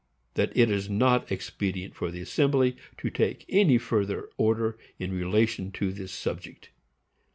That it is not expedient for the Assembly to take any further order in relation to this subject.